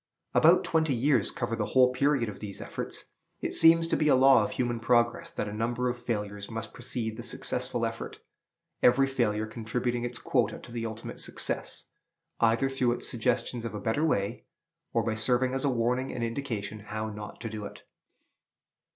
About twenty years cover the whole period of these efforts. It seems to be a law of human progress that a number of failures must precede the successful effort, every failure contributing its quota to the ultimate success, either through its suggestions of a better way, or by serving as a warning and indication how not to do it.